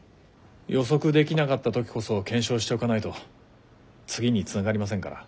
予測できなかった時こそ検証しておかないと次につながりませんから。